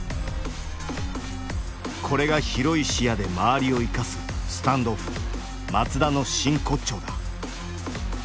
これが広い視野で周りを生かすスタンドオフ松田の真骨頂だ。